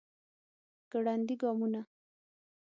ګړندي ګامونه